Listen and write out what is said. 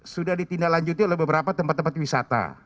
sudah ditindaklanjuti oleh beberapa tempat tempat wisata